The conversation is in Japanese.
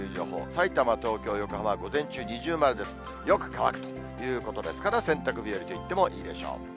さいたま、東京、横浜、午前中、二重丸です、よく乾くということですから、洗濯日和と言ってもいいでしょう。